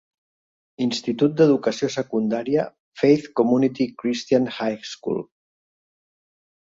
Institut d'educació secundària Faith Community Christian High School.